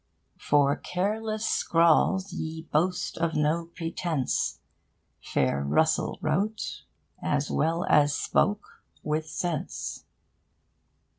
'For careless scrawls ye boast of no pretence; Fair Russell wrote, as well as spoke, with sense.'